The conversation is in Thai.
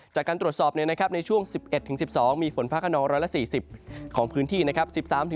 จากการตรวจสอบในช่วง๑๑๑๒มีฝนฟ้าขนอง๑๔๐ของพื้นที่นะครับ